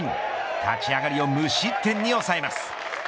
立ち上がりを無失点に抑えます。